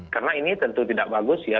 karena ini tentu tidak bagus ya